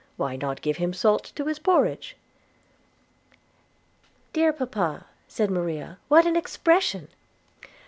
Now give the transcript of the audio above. Why, not give him salt to his porridge.' 'Dear papa,' said Maria, 'what an expression!'